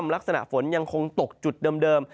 ลักษณะฝนยังคงตกจุดเดิม